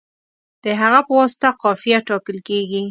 د هغه په واسطه قافیه ټاکل کیږي.